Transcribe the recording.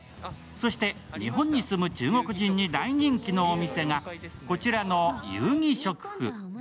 そして日本に住む中国人に大人気のお店がこちらの友誼食府。